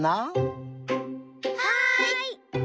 はい！